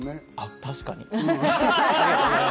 確かに。